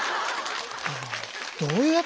あのどういうやつ？